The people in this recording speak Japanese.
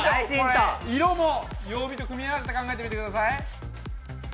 ◆色も曜日と組み合わせて、考えてみてください。